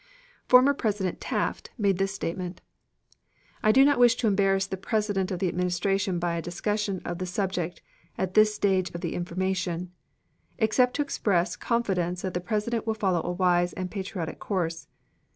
Former President Taft made this statement: "I do not wish to embarrass the President of the Administration by a discussion of the subject at this stage of the information, except to express confidence that the President will follow a wise and patriotic course.